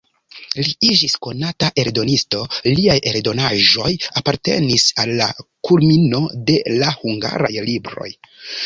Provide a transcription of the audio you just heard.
Li iĝis konata eldonisto, liaj eldonaĵoj apartenis al la kulmino de la hungaraj libroj.